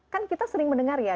kan kita sering mendengar ya